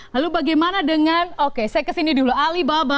lalu bagaimana dengan oke saya kesini dulu alibaba